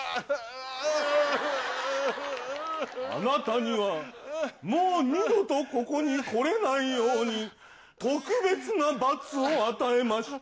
あなたにはもう二度とここに来れないように、特別な罰を与えまし